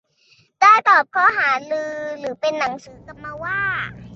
ได้ตอบข้อหารือเป็นหนังสือกลับมาว่า